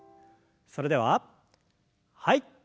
それでははい。